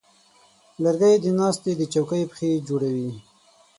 لرګی د ناستې د چوکۍ پښې جوړوي.